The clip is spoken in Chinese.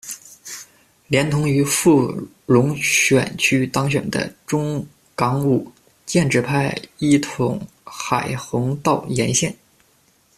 连同于富荣选区当选的钟港武，建制派一统海泓道沿线。